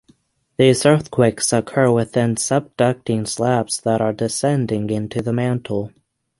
These earthquakes occur within subducting slabs that are descending into the mantle.